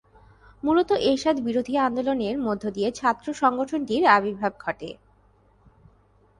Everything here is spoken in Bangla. মূলত এরশাদ বিরোধী আন্দোলনের মধ্যদিয়ে ছাত্র সংগঠনটির আবির্ভাব ঘটে।